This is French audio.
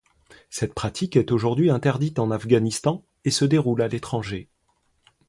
Cette pratique est aujourd'hui interdite en Afghanistan et se déroule à l'étranger.